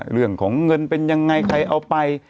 เรื่องของเงินเป็นยังไงใครเอาไป